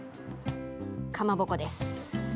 かまぼこです。